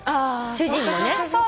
主人もね。